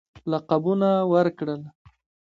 لقبونه ورکړل.